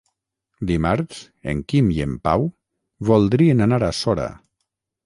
Dimarts en Quim i en Pau voldrien anar a Sora.